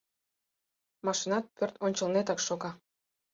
— Машинат пӧрт ончылнетак шога.